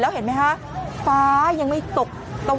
แล้วเห็นไหมฮะฟ้ายังไม่ตกกระวัน